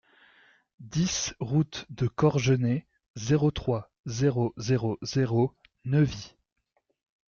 dix route de Corgenay, zéro trois, zéro zéro zéro, Neuvy